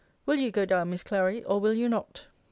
Will you go down, Miss Clary, or will you not?